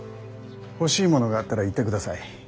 欲しいものがあったら言ってください。